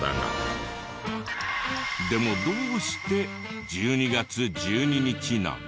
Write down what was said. でもどうして１２月１２日なの？